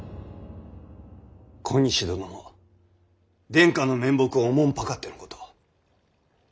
小西殿も殿下の面目をおもんぱかってのこと。